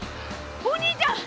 お兄ちゃん！